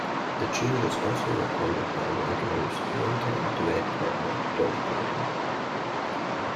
The tune was also recorded by Wagoner's longtime duet partner Dolly Parton.